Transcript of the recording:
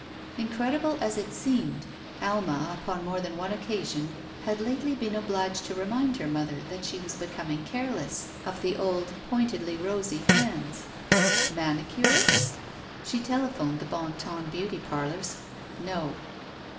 Incredible as it seemed. Alma, upon more than one occasion, had lately been obliged to remind her mother that she was becoming careless of the old pointedly rosy hands. Mani curist? She telephoned the Bon Ton Beauty Par lors. No.